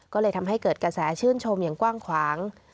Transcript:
ก็เลยทำให้เกิดกระแสชื่นชมอย่างกว้างขวาง